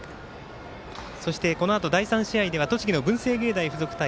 そして、このあと第３試合では栃木の文星芸大付属対